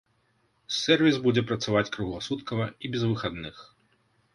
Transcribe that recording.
Сэрвіс будзе працаваць кругласуткава і без выхадных.